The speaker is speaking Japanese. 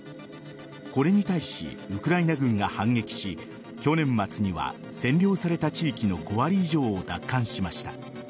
これに対しウクライナ軍が反撃し去年末には占領された地域の５割以上を奪還しました。